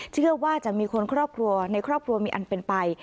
เชื่อว่าจะมีคนครอบครัวในครอบครัวมีอันเป็นไป